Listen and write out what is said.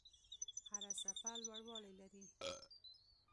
هره څپه لوړوالی لري.